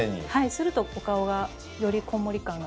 するとお顔がよりこんもり感が。